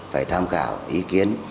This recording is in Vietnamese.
phải tham khảo ý kiến